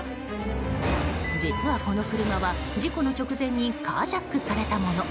実はこの車は事故の直前にカージャックされたもの。